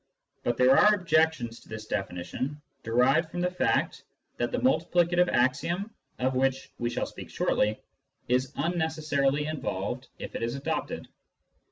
But there are objections to this definition, derived from the fact that the multiplicative axiom (of which we shall speak shortly) is unneces sarily involved if it is adopted.